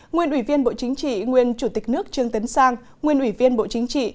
nguyên ủy viên bộ chính trị nguyên chủ tịch nước trương tấn sang nguyên ủy viên bộ chính trị